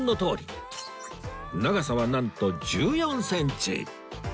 長さはなんと１４センチ！